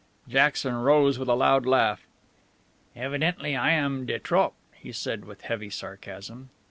Jackson rose with a loud laugh. "Evidently I am de trop," he said with heavy sarcasm.